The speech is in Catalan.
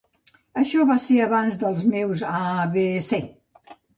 Això va ser abans dels meus A B C.